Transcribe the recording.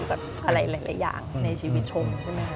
อะไรอย่างในชีวิตชม